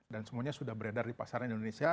dan semuanya sudah beredar di pasaran indonesia